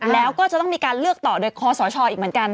แล้วก็จะต้องมีการเลือกต่อโดยคอสชอีกเหมือนกัน